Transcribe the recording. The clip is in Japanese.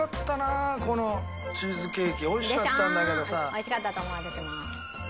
美味しかったと思う私も。